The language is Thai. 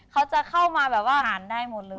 เขาจะเข้ามาแบบว่าอ่านได้หมดเลย